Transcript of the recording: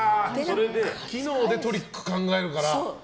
機能でトリック考えるから。